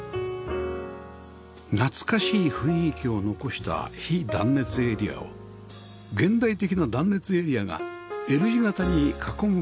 懐かしい雰囲気を残した非断熱エリアを現代的な断熱エリアが Ｌ 字形に囲む間取り